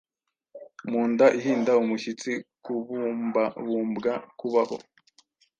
Mu nda ihinda umushyitsi Kubumbabumbwa kubaho